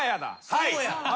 そうや。